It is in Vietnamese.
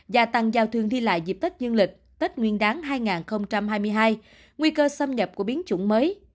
gia tăng giao thương đi lại dịp tết dương lịch tết nguyên đáng hai nghìn hai mươi hai nguy cơ xâm nhập của biến chủng mới